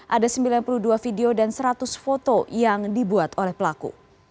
ada sembilan puluh dua video dan seratus foto yang dibuat oleh pelaku